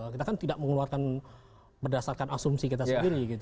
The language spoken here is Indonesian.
kita kan tidak mengeluarkan berdasarkan asumsi kita sendiri